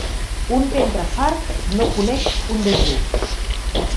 Un ventre fart no coneix un dejú.